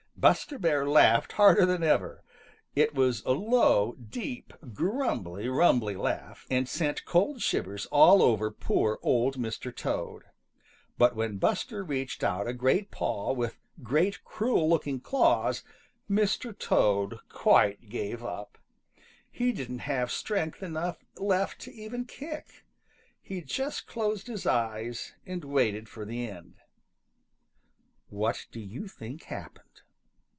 Buster Bear laughed harder than ever. It was a low, deep, grumbly rumbly laugh, and sent cold shivers all over poor Old Mr. Toad. But when Buster reached out a great paw with great cruel looking claws Mr. Toad quite gave up. He didn't have strength enough left to even kick. He just closed his eyes and waited for the end. What do you think happened?